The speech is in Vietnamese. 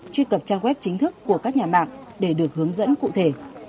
truy cập trang web chính thức của các nhà mạng để được hướng dẫn cụ thể